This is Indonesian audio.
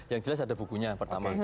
yang jelas ada bukunya yang pertama